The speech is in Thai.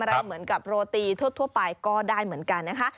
อะไรเหมือนกับโรตีทั่วไปก็ได้เหมือนกันนะคะ